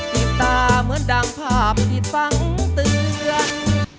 ปิดตาเหมือนดังภาพที่ฟังเตือน